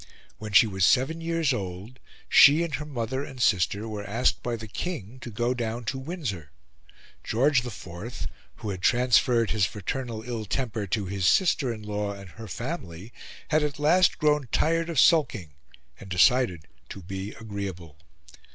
When she was seven years old, she and her mother and sister were asked by the King to go down to Windsor. George IV, who had transferred his fraternal ill temper to his sister in law and her family, had at last grown tired of sulking, and decided to be agreeable.